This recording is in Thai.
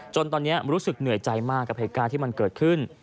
ตอนนี้รู้สึกเหนื่อยใจมากกับเหตุการณ์ที่มันเกิดขึ้น